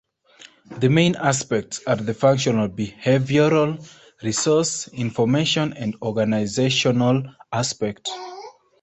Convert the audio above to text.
The main aspects are the functional, behavioral, resource, information and organizational aspect.